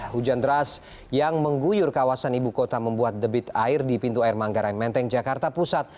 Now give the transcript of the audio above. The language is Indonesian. hujan deras yang mengguyur kawasan ibu kota membuat debit air di pintu air manggarai menteng jakarta pusat